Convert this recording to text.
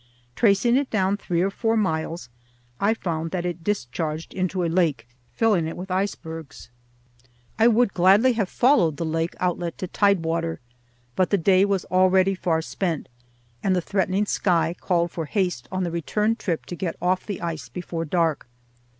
Tracing it down three or four miles, I found that it discharged into a lake, filling it with icebergs. I would gladly have followed the lake outlet to tide water, but the day was already far spent, and the threatening sky called for haste on the return trip to get off the ice before dark.